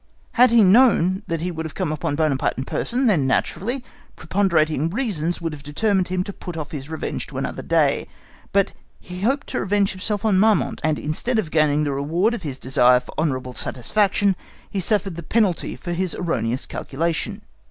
Had he known that he would have come upon Buonaparte in person, then, naturally, preponderating reasons would have determined him to put off his revenge to another day: but he hoped to revenge himself on Marmont, and instead of gaining the reward of his desire for honourable satisfaction, he suffered the penalty of his erroneous calculation.